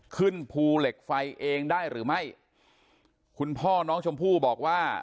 ภูเหล็กไฟเองได้หรือไม่คุณพ่อน้องชมพู่บอกว่า